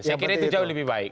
saya kira itu jauh lebih baik